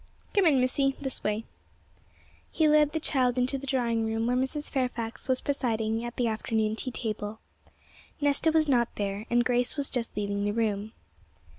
'Come in, missy this way.' He led the child into the drawing room, where Mrs. Fairfax was presiding at the afternoon tea table. Nesta was not there, and Grace was just leaving the room.